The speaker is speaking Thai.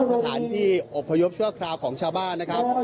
สถานที่อบพยพชั่วคราวของชาวบ้านนะครับ